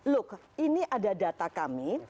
look ini ada data kami